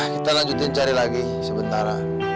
kita lanjutin cari lagi sementara